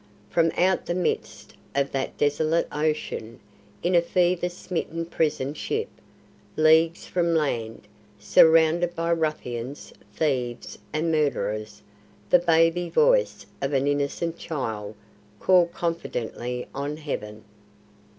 From out the midst of that desolate ocean in a fever smitten prison ship, leagues from land, surrounded by ruffians, thieves, and murderers, the baby voice of an innocent child called confidently on Heaven.